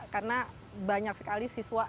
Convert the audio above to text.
karena banyak sekali siswa